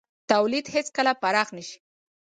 تولید هېڅکله پراخ نه شي.